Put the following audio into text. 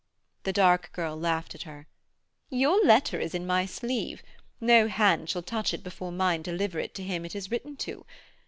The dark girl laughed at her. 'Your letter is in my sleeve. No hands shall touch it before mine deliver it to him it is written to.